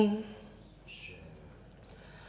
as'alatu khairum minannawum